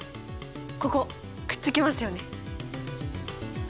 ここくっつきますよね。